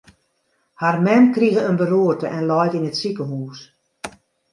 Har mem krige in beroerte en leit yn it sikehús.